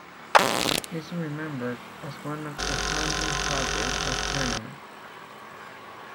He is remembered as one of the founding fathers of Panama.